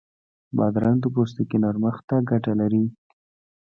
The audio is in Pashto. بادرنګ د پوستکي نرمښت ته ګټه لري.